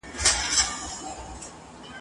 پر اسمان باندي غوړ لمر وو راختلی ..